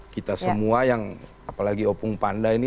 kita semua yang apalagi opung panda ini